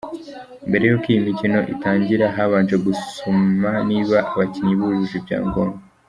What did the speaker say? Mbere y’uko iyi mukino utangira habanje gusuma niba abakinnyi bujuje ibyangombwa.